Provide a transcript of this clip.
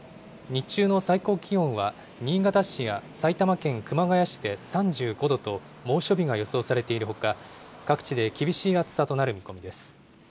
日中の最高気温は、新潟市や埼玉県熊谷市で３５度と、猛暑日が予想されているほか、各地で厳しい暑さとなる見込みです。